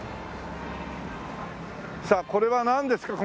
さあこれはなんですか？